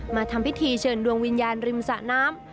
มาทำพิธีเชิญดวงวิญญาณริมสะน้ำ